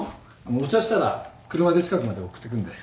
お茶したら車で近くまで送ってくんで。